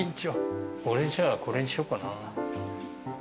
俺じゃあこれにしようかな。